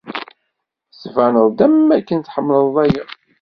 Tettbaneḍ am akken tḥemmleḍ-aya.